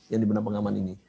yang di benang pengaman ini